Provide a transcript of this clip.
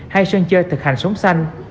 hay sân chơi thực hành sống xanh